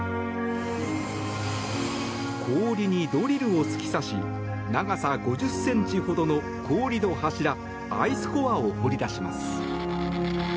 氷にドリルを突き刺し長さ５０ｃｍほどの氷の柱アイスコアを掘り出します。